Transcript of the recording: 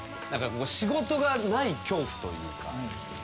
仕事がない恐怖というか。